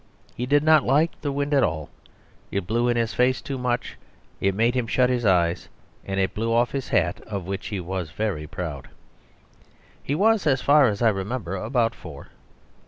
He did not like the wind at all; it blew in his face too much; it made him shut his eyes; and it blew off his hat, of which he was very proud. He was, as far as I remember, about four.